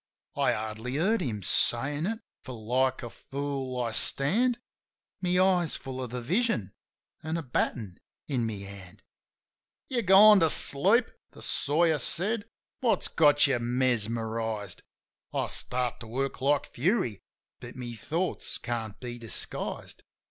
" I hardly heard him saying it, for like a fool I stand, My eyes full of the vision an' a batten in my hand. "You gone to sleep?" the sawyer said. "What's got you mesmerized ?" I start to work like fury, but my thoughts can't be disguised.